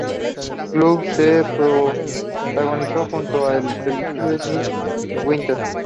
Gibbs co-protagonizó junto a el telefilme "Lily in Winter".